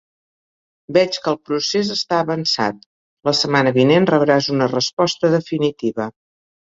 Veig que el procés està avançat, la setmana vinent rebràs una resposta definitiva.